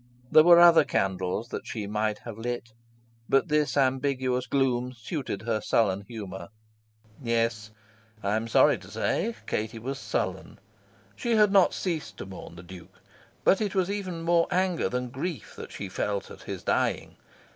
There were other candles that she might have lit, but this ambiguous gloom suited her sullen humour. Yes, I am sorry to say, Katie was sullen. She had not ceased to mourn the Duke; but it was even more anger than grief that she felt at his dying.